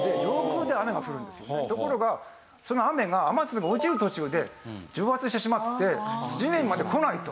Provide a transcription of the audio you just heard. ところがその雨が雨粒が落ちる途中で蒸発してしまって地面まで来ないと。